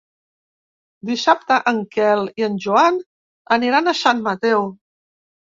Dissabte en Quel i en Joan aniran a Sant Mateu.